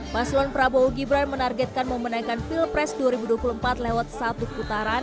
paslon prabowo gibran menargetkan memenangkan pilpres dua ribu dua puluh empat lewat satu putaran